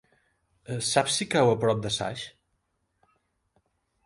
Saps si cau a prop de Saix?